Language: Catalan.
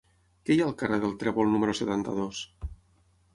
Què hi ha al carrer del Trèvol número setanta-dos?